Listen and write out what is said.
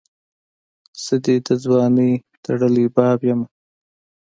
زه دي دځوانۍ ټړلي باب یمه